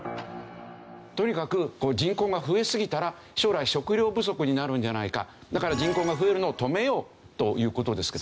とにかく人口が増えすぎたら将来食料不足になるんじゃないかだから人口が増えるのを止めようという事ですけどね。